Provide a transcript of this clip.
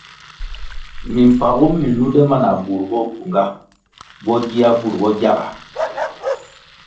Mimpagu mi lunde ma na burʼ bo gyunga bo gia burʼ bo gyaga.